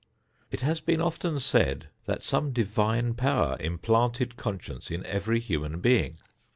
It has been often said that some divine power implanted conscience in every human being.